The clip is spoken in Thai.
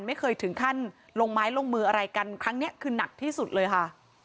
ไม่เคยถึงขั้นลงไม้ลงมืออะไรกันครั้งนี้คือหนักที่สุดเลยค่ะ